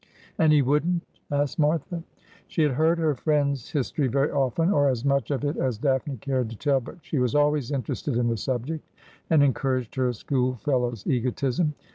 ' And he wouldn't ?' asked Martha. She had heard her friend's history very often, or as much of it as Daphne cared to tell, but she was always interested in the subject, and encouraged her schoolfellow's egotism.